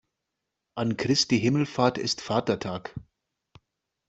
An Christi Himmelfahrt ist Vatertag.